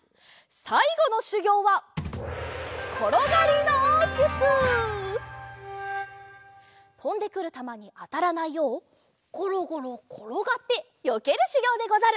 さいごのしゅぎょうはとんでくるたまにあたらないようごろごろころがってよけるしゅぎょうでござる！